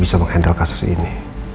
bisa mengendalikan kasus ini